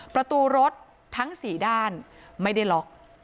ประตูรถทั้ง๔ด้านไม่ได้ล็อก